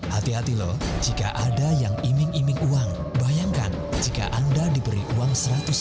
hati hati loh jika ada yang iming iming uang bayangkan jika anda diberi uang seratus